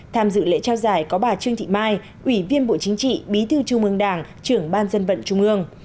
tham dự lễ trao giải có bà trương thị mai ủy viên bộ chính trị bí thư trung ương đảng trưởng ban dân vận trung ương